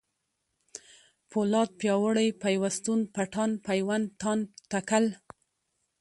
پولاد ، پیاوړی ، پيوستون ، پټان ، پېوند ، تاند ، تکل